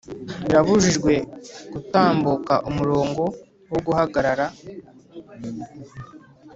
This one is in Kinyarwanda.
birabujijwe gutambuka umurongo wo guhagarara